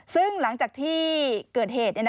ซึ่งหลังจากที่เกิดเหตุ